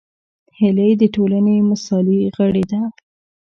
هیلۍ د ټولنې مثالي غړې ده